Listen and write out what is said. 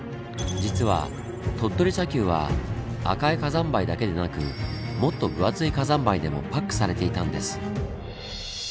実は鳥取砂丘は赤い火山灰だけでなくもっと分厚い火山灰でもパックされていたんです。